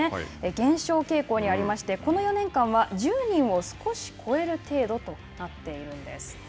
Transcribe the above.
減少傾向にありましてこの４年間は１０人を少し超える程度となっているんです。